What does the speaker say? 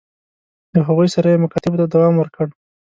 له هغوی سره یې مکاتبو ته دوام ورکړ.